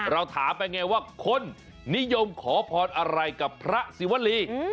เราถามไปไงว่าคนนิยมขอพรอะไรกับพระศิวรี